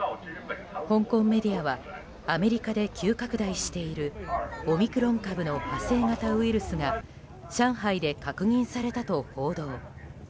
香港メディアはアメリカで急拡大しているオミクロン株の派生型ウイルスが上海で確認されたと報道。